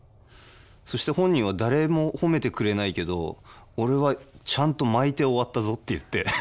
そして本人は「誰も褒めてくれないけど俺はちゃんと巻いて終わったぞ」って言ってフフフッ。